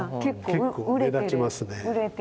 結構目立ちますね。